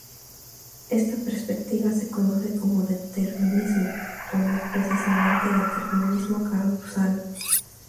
Esta perspectiva se conoce como determinismo o más precisamente determinismo causal.